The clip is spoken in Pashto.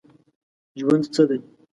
ژوند څه دی ؟